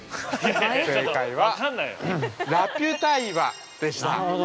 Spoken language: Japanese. ◆正解は、ラピュタ岩でした。